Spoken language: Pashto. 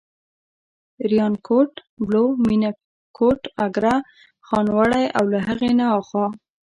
ریانکوټ، بلو، مېنه، کوټ، اګره، خانوړی او له هغې نه اخوا.